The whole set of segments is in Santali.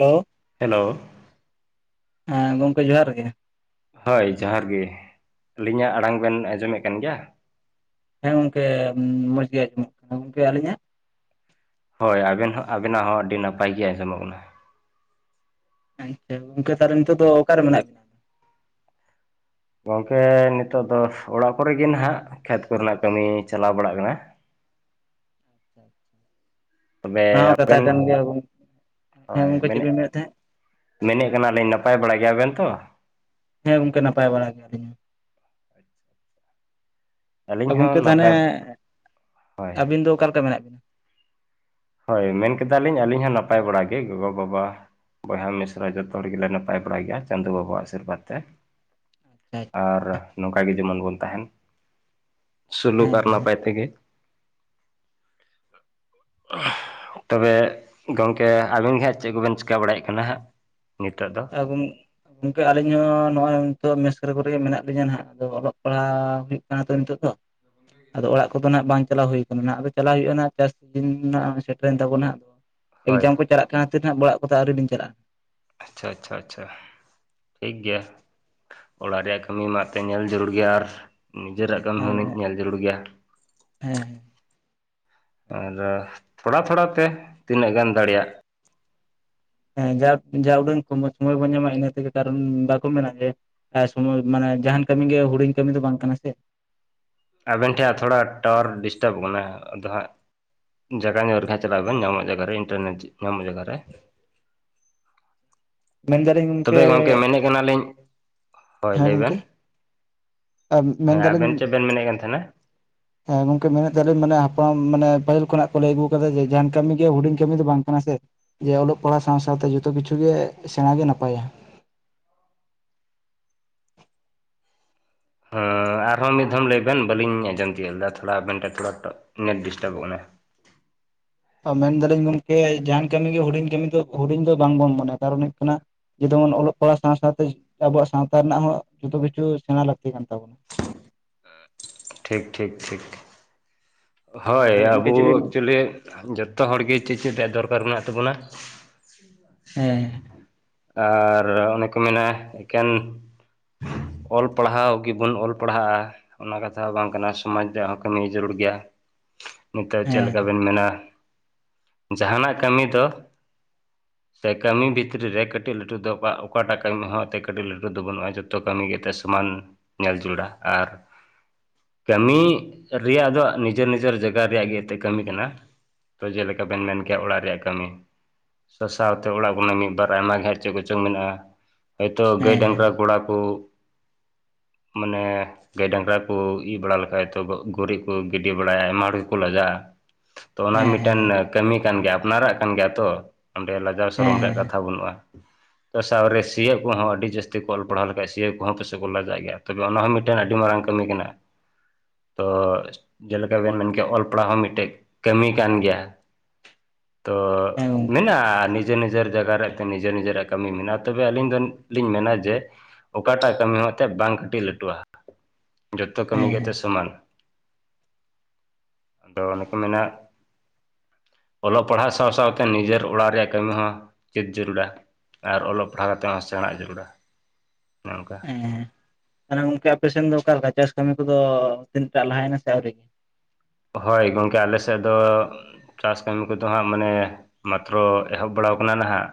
ᱦᱮᱞᱳ ᱦᱮᱞᱳ ᱦᱮᱸ ᱜᱚᱢᱠᱮ ᱡᱚᱦᱟᱨ ᱜᱮ ᱦᱳᱭ ᱡᱚᱦᱟᱨ ᱜᱮ ᱟᱹᱞᱤᱧᱟᱜ ᱟᱲᱟᱝ ᱵᱮᱱ ᱟᱸᱡᱚᱢᱮᱫ ᱠᱟᱱ ᱜᱮᱭᱟ ᱦᱮᱸ ᱜᱚᱢᱠᱮ ᱢᱚᱸᱡᱽ ᱜᱮ ᱟᱸᱡᱚᱢᱚᱜ ᱠᱟᱱᱟ ᱜᱚᱝᱠᱮ ᱟᱹᱞᱤᱧᱟᱜ ᱦᱳᱭ ᱟᱵᱮᱱ ᱦᱚᱸ ᱟᱵᱮᱱᱟᱜ ᱦᱚᱸ ᱟᱹᱰᱤ ᱱᱟᱯᱟᱭ ᱜᱮ ᱟᱸᱡᱚᱢᱚᱜ ᱠᱟᱱᱟ᱾ ᱟᱪᱪᱷᱟ ᱜᱚᱝᱠᱮ ᱛᱟᱦᱚᱞᱮ ᱱᱤᱛᱚᱜ ᱫᱚ ᱚᱠᱟᱨᱮ ᱢᱮᱱᱟᱜ ᱵᱮᱱᱟ ᱜᱚᱝᱠᱮ ᱱᱤᱛᱚᱜ ᱫᱚ ᱚᱲᱟᱜ ᱠᱚᱨᱮ ᱜᱮ ᱱᱟᱦᱱᱟᱼᱜ ᱠᱷᱮᱛ ᱠᱚᱨᱮᱱᱟᱜ ᱠᱟᱹᱢᱤ ᱪᱟᱞᱟᱣ ᱵᱟᱲᱟᱜ ᱠᱟᱱᱟ᱾ ᱛᱚᱵᱮ ᱚᱱᱟ ᱦᱚᱸ ᱟᱵᱮᱱ ᱠᱟᱛᱷᱟ ᱠᱟᱱ ᱜᱮᱭᱟ ᱜᱚᱝᱠᱮ, ᱦᱮᱸ ᱦᱳᱭ ᱜᱚᱝᱠᱮ ᱪᱮᱫ ᱢᱮᱱᱮᱫ ᱵᱤᱱ ᱞᱟᱹᱭᱮᱫ ᱛᱟᱦᱮᱸᱫ ᱢᱮᱱᱮᱫ ᱠᱟᱱᱟᱞᱤᱧ ᱱᱟᱯᱟᱭ ᱵᱟᱲᱟ ᱜᱮᱭᱟᱵᱱ ᱛᱚ᱾ ᱦᱮᱸ ᱜᱚᱝᱠᱮ ᱱᱟᱯᱟᱭ ᱵᱟᱲᱟ ᱜᱮ ᱟᱹᱞᱤᱧ ᱜᱚᱝᱠᱮ ᱦᱚᱸ ᱛᱟᱦᱚᱞᱮ ᱱᱟᱯᱟᱭ ᱦᱳᱭ ᱟᱹᱵᱤᱱ ᱫᱚ ᱚᱠᱟᱞᱮᱠᱟ ᱢᱮᱱᱟᱜ ᱵᱤᱱᱟ᱾ ᱦᱳᱭ ᱢᱮᱱ ᱠᱮᱫᱟᱞᱤᱧ ᱟᱹᱞᱤᱧ ᱦᱚᱸ ᱱᱟᱯᱟᱭ ᱵᱟᱲᱟ ᱜᱮ ᱜᱚᱜᱚᱼᱵᱟᱵᱟ ᱵᱚᱭᱦᱟ ᱢᱤᱥᱨᱟ ᱡᱚᱛᱚ ᱦᱚᱲ ᱜᱮᱞᱮ ᱱᱟᱯᱟᱭ ᱵᱟᱲᱟ ᱜᱮᱭᱟ, ᱪᱟᱸᱫᱚᱳ ᱵᱟᱵᱟᱣᱟᱜ ᱟᱥᱤᱨᱵᱟᱫᱽ ᱛᱮ᱾ ᱟᱪᱪᱷᱟ ᱟᱪᱪᱷᱟ ᱟᱨ ᱱᱚᱝᱠᱟ ᱜᱮ ᱡᱮᱢᱚᱱ ᱵᱚᱱ ᱛᱟᱦᱮᱱ ᱥᱩᱞᱩᱠ ᱦᱮᱸ ᱟᱨ ᱦᱮᱸ ᱱᱟᱯᱟᱭ ᱛᱮᱜᱮ ᱛᱚᱵᱮ ᱜᱚᱝᱠᱮ ᱟᱵᱤᱱ ᱜᱮᱦᱟᱸᱜ ᱪᱮᱫ ᱠᱚᱵᱮᱱ ᱪᱤᱠᱟᱹ ᱵᱟᱲᱟᱭᱮᱫ ᱠᱟᱱᱟ ᱦᱟᱸᱜ ᱱᱤᱛᱚᱜ ᱫᱚ ᱟᱹᱵᱤᱱ ᱜᱚᱝᱠᱮ ᱟᱹᱞᱤᱧ ᱦᱚᱸ ᱱᱚᱜᱼᱚᱭ ᱱᱤᱛᱚᱜ ᱢᱮᱥᱠᱚᱨᱮ ᱠᱚᱨᱮᱜᱮ ᱢᱮᱱᱟᱜ ᱞᱤᱧᱟᱹ ᱱᱟᱜ ᱟᱫᱚ ᱚᱞᱚᱜ ᱯᱟᱲᱦᱟᱜ ᱦᱩᱭᱩᱜ ᱠᱟᱱᱟ ᱛᱚ ᱱᱤᱛᱚᱜ ᱫᱚ ᱟᱫᱚ ᱚᱲᱟᱜ ᱠᱚᱫᱚ ᱱᱟᱜ ᱵᱟᱝ ᱪᱟᱞᱟᱣ ᱦᱩᱭᱠᱟᱱᱟ ᱱᱟᱟᱜ ᱫᱚ ᱪᱟᱞᱞᱟᱣ ᱦᱩᱭᱩᱜᱼᱟ ᱱᱟᱟᱜ ᱪᱟᱥ ᱫᱤᱱ ᱥᱮᱴᱨᱮᱱ ᱛᱟᱵᱚ ᱱᱟᱜ [inaudible] ᱮᱠᱡᱟᱢ ᱠᱚ ᱪᱟᱞᱟᱜ ᱠᱷᱟᱹᱤᱨ ᱱᱟᱟᱸᱜ ᱚᱲᱟᱜ ᱠᱚᱫᱚ ᱟᱹᱣᱨᱤ ᱞᱧ ᱪᱟᱞᱟᱜᱼᱟ ᱾ ᱟᱪᱪᱷᱟ ᱟᱪᱪᱷᱟ ᱟᱪᱪᱷᱟ ᱴᱷᱤᱠ ᱜᱮᱮᱭᱟ ᱾ ᱚᱲᱟᱜ ᱨᱮᱭᱟᱜ ᱠᱟᱹᱢᱤ ᱢᱟᱟᱜ ᱛᱮ ᱧᱮᱞ ᱡᱟᱹᱨᱩᱲ ᱜᱮᱭᱟ, ᱟᱨ ᱱᱤᱡᱮᱨᱟᱜ ᱠᱟᱹᱢᱤ ᱦᱮᱸ ᱦᱩᱱᱟᱹᱤᱡ ᱧᱮᱞ ᱡᱩᱲ ᱜᱮᱭᱟ ᱾ ᱦᱮᱸ ᱟᱨ ᱛᱷᱚᱲᱟ ᱛᱷᱚᱲᱟ ᱛᱮ ᱛᱤᱱᱟᱹᱜ ᱜᱟᱱ ᱫᱟᱲᱮᱭᱟᱜ ᱦᱮᱸ ᱡᱟ ᱡᱟ ᱩᱰᱟᱹᱝᱹ ᱠᱚ ᱥᱚᱢᱚᱭ ᱵᱚᱱ ᱧᱟᱢᱟ, ᱤᱱᱟᱹ ᱛᱮᱜᱮ ᱠᱟᱨᱚᱱ ᱵᱟᱠᱚ ᱢᱮᱱᱟ ᱡᱮ, ᱥᱚᱢᱚᱭ ᱢᱟᱱᱮ ᱡᱟᱦᱟᱱ ᱠᱟᱹᱢᱤ ᱜᱮ ᱦᱩᱰᱤᱧ ᱠᱟᱹᱢᱤ ᱫᱚ ᱵᱟᱝ ᱠᱟᱱᱟ ᱥᱮ ᱾ ᱟᱵᱮᱱ ᱴᱷᱮᱱ ᱛᱷᱚᱲᱟ ᱴᱟᱣᱟᱨ ᱰᱤᱥᱴᱟᱵ ᱟᱠᱟᱱᱟ ᱟᱫᱚ ᱦᱟᱸᱜ ᱡᱟᱭᱜᱟ ᱧᱚᱜ ᱨᱮᱠᱷᱟ ᱪᱟᱞᱟᱜ ᱵᱮᱱ, ᱧᱟᱢᱚᱜ ᱡᱟᱭᱜᱟᱨᱮ ᱤᱱᱴᱟᱨᱱᱮᱴ ᱧᱟᱢᱚᱜ ᱡᱟᱭᱜᱟ ᱨᱮ ᱢᱮᱱ ᱫᱟᱞᱤᱧ, ᱛᱚᱵᱮ ᱜᱚᱝᱠᱮ ᱢᱮᱱᱮᱫ ᱠᱟᱱᱟᱞᱤᱧ, ᱦᱳᱭ ᱦᱮᱸ ᱞᱟᱹᱭ ᱵᱮᱱ ᱜᱚᱝᱠᱮ ᱾ ᱢᱮᱱᱫᱟᱞᱤᱧ? [inaudible] ᱦᱮᱸ ᱜᱚᱝᱠᱮ ᱢᱮᱱᱮᱫ ᱛᱟᱦᱮᱞᱤᱤᱧ ᱢᱟᱱᱮ ᱦᱟᱯᱲᱟᱢ ᱢᱟᱱᱮ ᱯᱟᱹᱦᱤᱞ ᱠᱷᱚᱱᱟᱜ ᱠᱚ ᱞᱟᱹᱭ ᱟᱹᱜᱩ ᱠᱟᱫᱟ ᱡᱮ, ᱡᱟᱦᱟᱱ ᱠᱟᱹᱢᱤ ᱜᱮ ᱦᱩᱰᱤᱧ ᱠᱟᱹᱢᱤ ᱫᱚ ᱵᱟᱝ ᱠᱟᱱᱟ ᱥᱮ ᱡᱮ ᱚᱞᱚᱜ ᱯᱟᱲᱦᱟᱣ ᱥᱟᱶ ᱥᱟᱶᱛᱮ ᱡᱚᱛᱚ ᱠᱤᱪᱷᱩ ᱜᱮ ᱥᱮᱬᱟ ᱜᱮ ᱱᱟᱯᱟᱭᱟ ᱾ ᱦᱸ ᱟᱨᱦᱚᱸ ᱢᱤᱫ ᱫᱷᱷᱟᱚᱢ ᱞᱟᱹᱭ ᱵᱮᱱ ᱵᱟᱞᱤᱧ ᱟᱸᱚᱢ ᱛᱳᱜ ᱞᱮᱫᱟ᱾ ᱛᱷᱚᱲᱟ ᱟᱵᱮᱱ ᱴᱷᱮᱱ ᱛᱷᱚᱲᱟ ᱱᱮᱴ ᱰᱤᱥᱴᱟᱵᱚᱜ ᱠᱟᱱᱟ ᱾ ᱢᱮᱱᱫᱟᱞᱤᱧ ᱜᱚᱝᱠᱮ ᱡᱟᱦᱟᱱ ᱠᱟᱹᱢᱤ ᱜᱮ, ᱦᱩᱰᱤᱧ ᱠᱟᱹᱢᱤ ᱫᱚ ᱦᱩᱰᱤᱧ ᱫᱚ, ᱵᱟᱝᱵᱚᱱ ᱢᱚᱱᱮᱭᱟ ᱠᱟᱨᱚᱱ ᱦᱩᱭᱩᱜ ᱠᱟᱱᱟ, ᱡᱮᱢᱚᱱ ᱚᱞᱚᱜ ᱯᱟᱲᱦᱟᱜ ᱥᱟᱶ ᱥᱟᱶᱛᱮ, ᱟᱵᱩᱣᱟᱜ ᱥᱟᱶᱛᱟ ᱨᱮᱱᱟᱜ ᱦᱚᱸ ᱡᱚᱛᱚ ᱠᱤᱪᱷᱩ ᱥᱮᱬᱟ ᱞᱟᱹᱠᱛᱤ ᱠᱟᱱ ᱛᱟᱵᱚᱱᱟ ᱾ ᱴᱷᱤᱠ ᱴᱷᱤᱠ ᱴᱷᱤᱠ ᱾ ᱦᱳᱭ ᱦᱮᱸ ᱜᱚᱝᱠᱮ ᱟᱵᱚ ᱪᱮᱫ ᱵᱤᱱ ᱮᱠᱪᱩᱭᱮᱞᱤ ᱡᱚᱛᱚ ᱦᱚᱲᱜᱮ ᱪᱮᱫ ᱪᱮᱫ ᱨᱮᱭᱟᱜ ᱫᱚᱨᱠᱟᱨ ᱢᱮᱱᱟᱜ ᱛᱟᱵᱚᱱᱟ ᱾ ᱦᱮᱸ ᱟᱨ ᱚᱱᱮ ᱠᱚ ᱢᱮᱱᱟ ᱮᱠᱮᱱ ᱚᱞ ᱯᱟᱲᱦᱟᱣ ᱜᱮᱵᱚᱱ ᱚᱞ ᱯᱟᱲᱦᱟᱜᱼᱟ ᱾ ᱚᱱᱟ ᱠᱟᱛᱷᱟ ᱵᱟᱝ ᱠᱟᱱᱟ, ᱥᱚᱢᱟᱡ ᱨᱮᱭᱟᱜ ᱦᱚᱸ ᱠᱟᱹᱢᱤ ᱡᱟᱹᱨᱩᱲ ᱜᱮᱭᱟ ᱾ ᱱᱤᱛᱚᱜ ᱪᱮᱫ ᱦᱮᱸ ᱞᱮᱠᱟᱵᱱ ᱢᱮᱱᱟ ᱡᱟᱦᱟᱱᱟᱜ ᱠᱟᱹᱢᱤ ᱫᱚ ᱮ ᱠᱟᱹᱢᱤ ᱵᱷᱤᱛᱨᱤ ᱨᱮ ᱠᱟᱹᱴᱤᱡ ᱞᱟᱹᱴᱩ ᱫᱚ ᱚᱠᱟ ᱚᱠᱟᱴᱟᱜ ᱠᱟᱹᱢᱤ ᱦᱚᱸ ᱮᱱᱛ ᱠᱟᱹᱴᱤᱡ ᱞᱟᱹᱴᱩ ᱫᱚ ᱵᱟᱹᱱᱩᱜᱼᱟ᱾ ᱡᱚᱛᱚ ᱠᱟᱹᱢᱤ ᱜᱮ ᱮᱛᱮᱫ ᱥᱚᱢᱟᱱ ᱧᱮᱞ ᱡᱩᱲᱟ ᱟᱨ ᱠᱟᱹᱢᱤ ᱨᱮᱭᱟᱜ ᱫᱚ ᱱᱤᱡᱮᱨ ᱱᱤᱡᱮᱨ ᱡᱟᱭᱜᱟ ᱨᱮᱭᱟᱜ ᱜᱮ ᱮᱱᱛᱮᱫ ᱠᱟᱹᱢᱤ ᱠᱟᱱᱟ ᱾ ᱛᱚ ᱡᱮᱞᱮᱠᱟ ᱵᱮᱱ ᱢᱮᱱ ᱠᱮᱭᱟ ᱚᱲᱟᱜ ᱨᱮᱭᱟᱜ ᱠᱟᱹᱢᱤ ᱾ ᱥᱟᱶᱛᱮ ᱚᱲᱟᱜ ᱠᱷᱚᱱᱟᱜ ᱢᱤᱫ ᱵᱟᱨ ᱟᱭᱢᱟ ᱜᱷᱨ ᱪᱮᱫ ᱠᱚᱪᱚᱝ ᱢᱮᱱᱟᱜᱼᱟ ᱾ ᱦᱚᱳᱭᱛᱳ ᱜᱟᱹᱭ ᱦᱮᱸ ᱰᱟᱝᱨᱟ ᱦᱮᱸ ᱠᱚᱲᱟ ᱠᱚ ᱢᱟᱱᱮ ᱜᱟᱹᱭ ᱰᱟᱝᱨᱟ ᱠᱚ ᱤᱭᱟᱹ ᱵᱟᱲᱟ ᱞᱮᱠᱷᱟᱡ ᱛᱚ ᱜᱩᱨᱤᱡ ᱠᱚ ᱜᱤᱰᱤ ᱵᱟᱲᱟᱭᱟ ᱟᱭᱢᱟ ᱦᱚᱲ ᱜᱮᱠᱚ ᱞᱟᱡᱟᱜᱼᱟ᱾ ᱛᱚ ᱚᱱᱟ ᱦᱮᱸ ᱢᱤᱫᱴᱮᱱ ᱦᱮᱸ ᱠᱟᱹᱢᱤ ᱠᱟᱱ ᱜᱮᱭᱟ, ᱟᱯᱱᱟᱨᱟᱜ ᱠᱟᱱ ᱜᱮᱭᱟ ᱛᱚ ᱾ ᱞᱟᱡᱟᱣ ᱦᱮᱸ ᱥᱚᱨᱚᱢ ᱨᱮᱭᱟᱜ ᱦᱮᱸ ᱠᱟᱛᱷᱟ ᱵᱟᱹᱱᱩᱜᱼᱟ ᱾ ᱛᱚ ᱥᱟᱶ ᱨᱮ ᱥᱤᱭᱳᱜ ᱠᱚᱦᱚᱸ ᱟᱹᱰᱤ ᱡᱟᱹᱥᱛᱤ ᱠᱚ ᱚᱞ ᱯᱟᱲᱦᱟᱣ ᱞᱮᱠᱷᱟᱡ ᱥᱤᱭᱜ ᱠᱚᱦᱚᱸ ᱯᱮᱥᱮ ᱠᱚ ᱞᱟᱡᱟᱜ ᱜᱮᱭᱟ ᱛᱚᱵᱮ ᱚᱱᱟ ᱦᱚᱸ ᱢᱤᱫᱴᱮᱱ ᱟᱹᱰᱤ ᱢᱟᱨᱟᱝ ᱠᱟᱹᱢᱤ ᱠᱟᱱᱟ ᱾ [unintelligible] ᱛᱚ ᱡᱮᱞᱮᱠᱟ ᱵᱮᱱ ᱢᱮᱱᱠᱮᱭᱟ ᱚᱞ ᱯᱟᱲᱦᱟᱣ ᱦᱚᱸ ᱢᱤᱫᱴᱮᱱ ᱠᱟᱹᱢᱤ ᱠᱟᱱ ᱜᱮᱭᱟ, ᱛᱚ ᱦᱮᱸ ᱜᱚᱝᱠᱮ ᱢᱮᱱᱟᱜᱼᱟ ᱱᱤᱡᱮᱨ ᱱᱤᱡᱮᱨ ᱡᱟᱭᱜᱟ ᱨᱮᱭᱟᱜ ᱛᱮ ᱱᱤᱡᱮ ᱱᱤᱡᱮᱨᱟᱜ ᱠᱟᱹᱢᱤ ᱢᱮᱱᱟᱜᱼᱟ, ᱛᱚᱵᱮ ᱟᱹᱞᱤᱧ ᱫᱚᱞᱤᱧ ᱢᱮᱱᱟ ᱡᱮ ᱚᱠᱟᱴᱟᱜ ᱠᱟᱹᱢᱤ ᱦᱚᱸ ᱮᱱᱛᱮᱫ ᱵᱟᱝ ᱠᱟᱹᱴᱤᱡ ᱞᱟᱹᱴᱩᱜᱼᱟ ᱡᱚᱛᱚ ᱠᱟᱹᱢᱤ ᱦᱮᱸ ᱜᱮ ᱛᱮ ᱦᱮᱸ ᱥᱚᱢᱟᱱ ᱾ ᱟᱫᱚ ᱚᱱᱮ ᱠᱚ ᱢᱮᱱᱟ ᱚᱞᱚᱜ ᱯᱟᱲᱦᱟᱜ ᱥᱟᱶ ᱥᱟᱶᱛᱮ ᱱᱤᱡᱮᱨ [unintelligible] ᱚᱲᱟᱜ ᱨᱮᱭᱟᱜ ᱠᱟᱹᱢᱤ ᱦᱚᱸ ᱪᱮᱫ ᱡᱟᱹᱨᱩᱲᱟ ᱟᱨ ᱚᱞᱚᱜ ᱯᱟᱲᱦᱟᱣ ᱠᱟᱛᱮᱫ ᱦᱚᱸ ᱥᱮᱬᱟᱜ ᱡᱟᱹᱨᱩᱲᱟ ᱾ ᱚᱱᱮ ᱚᱱᱠᱟ ᱾ ᱦᱮᱸ ᱛᱟᱞᱦᱮ ᱜᱚᱝᱠᱮ ᱟᱯᱮᱥᱱ ᱫᱚ ᱚᱠᱟᱞᱮᱠᱟ ᱪᱟᱥ ᱠᱟᱹᱢᱤ ᱠᱚᱫᱚ ᱛᱤᱱᱟᱹᱜ ᱴᱟ ᱞᱟᱦᱟᱭᱮᱱᱟ ᱥᱮ ᱟᱹᱣᱨᱤ? ᱦᱳᱭ ᱜᱚᱢᱠᱮ ᱟᱞᱮ ᱥᱮᱫ ᱫᱚ ᱪᱟᱥ ᱠᱟᱹᱢᱤ ᱠᱚᱫᱚ ᱦᱟᱸᱜ ᱢᱟᱱᱮ ᱢᱟᱛᱨᱚ ᱮᱦᱚᱵ ᱵᱟᱲᱟᱟᱣ ᱠᱟᱱᱟ ᱱᱟᱦᱟᱸᱜ,